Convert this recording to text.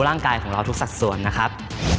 ร่างกายของเราทุกสัดส่วนนะครับ